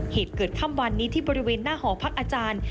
เหตุเกิดค่ำวันนี้ที่บริเวณหน้าหอพักอาจารย์